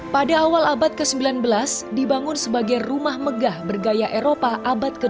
pada awal abad ke sembilan belas dibangun sebagai rumah megah bergaya eropa abad ke delapan belas oleh j a van middelkoop